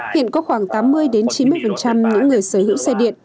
hiện có khoảng tám mươi chín mươi những người sở hữu xe điện